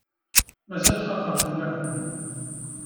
Mazal xaqeɣ fell-aken.